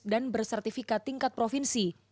dan bersertifikat tingkat provinsi